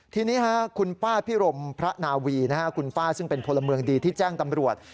ทีนี้คุณป้าพิรมพระนาวีคุณป้าซึ่งเป็นพลเมืองดีที่แจ้งตำรวจ